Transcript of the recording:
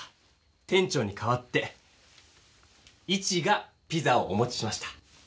店長にかわってイチがピザをお持ちしました。